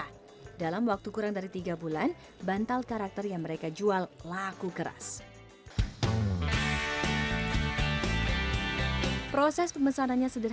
kan fotonya sudah lengkap nanti kita kasih ke desainer